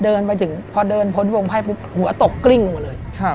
เดินไปถึงพอเดินพ้นวงไพ่ปุ๊บหัวตกกลิ้งหมดเลย